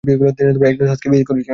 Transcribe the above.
তিনি অ্যাগনেস হাস্ককে বিয়ে করেছিলেন।